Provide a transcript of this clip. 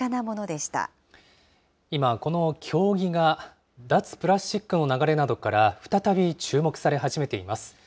今、この経木が脱プラスチックの流れなどから、再び注目され始めています。